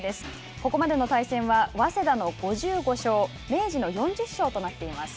ここまでの対戦は早稲田の５５勝明治の４０勝となっています。